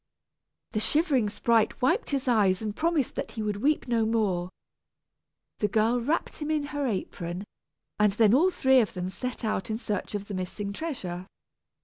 The shivering sprite wiped his eyes and promised that he would weep no more. The girl wrapped him in her apron, and then all three of them set out in search of the missing treasure.